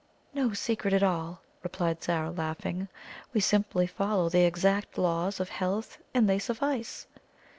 "No secret at all," replied Zara, laughing; "we simply follow the exact laws of health, and they suffice."